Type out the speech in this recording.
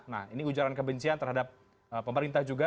nah ini ujaran kebencian terhadap pemerintah juga